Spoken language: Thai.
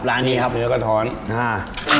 ร้านนี้ครับเนื้อกระท้อนอ่า